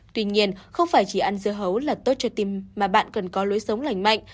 tuy nhiên không phải chỉ ăn dưa hấu là tốt cho tim mà bạn cần có lối sống lành mạnh